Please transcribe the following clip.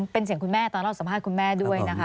เป็นเสียงคุณแม่ตอนเราสัมภาษณ์คุณแม่ด้วยนะคะ